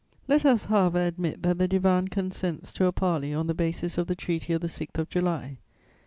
"Let us, however, admit that the Divan consents to a parley on the basis of the Treaty of the 6th of July.